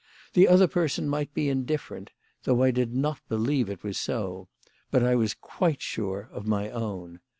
The other person might be indif ferent, though I did not believe it was so ; but I was quite sure of my own.